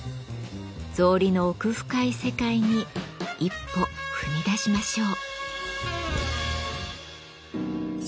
草履の奥深い世界に一歩踏み出しましょう。